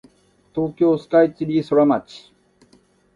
東京スカイツリーソラマチ